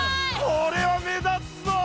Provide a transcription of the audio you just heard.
これは目立つぞ！